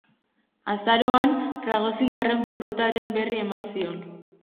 Azaroan, ragozindarren porrotaren berri eman zion.